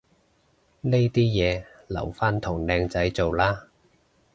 呢啲嘢留返同靚仔做啦